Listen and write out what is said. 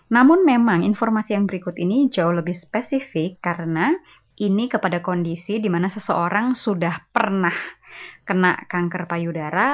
namun memang informasi yang berikut ini jauh lebih spesifik karena ini kepada kondisi di mana seseorang sudah pernah kena kanker payudara